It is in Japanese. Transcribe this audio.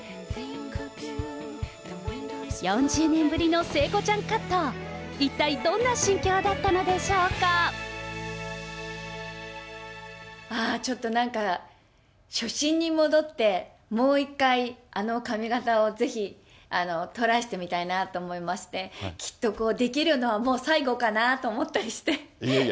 ４０年ぶりの聖子ちゃんカット、一体どんな心境だったのでしょうちょっとなんか、初心に戻って、もう一回、あの髪形をぜひトライしてみたいなと思いまして、きっとできるのはもう最後かなと思ったりして。